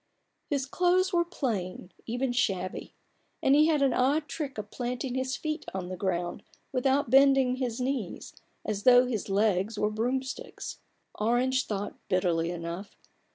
His clothes were plain, even shabby; and he had an odd trick of planting his feet on the ground without bending his knees, as though his legs were broomsticks. Orange THE BARGAIN OF RUPERT ORANGE. II thought, bitterly enough